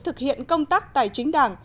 thực hiện công tác tài chính đảng